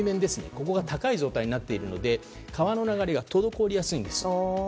ここが高い状態になっているので川の流れが滞りやすいんです。